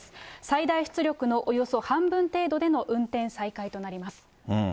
最大出力のおよそ半分程度での運転再開となります。